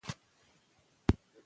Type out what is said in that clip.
که شراب ونه څښو نو ایمان نه ځي.